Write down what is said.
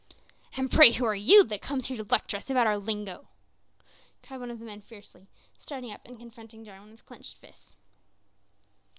"And pray who are you, that comes here to lecture us about our lingo?" cried one of the men fiercely, starting up and confronting Jarwin with clenched fists.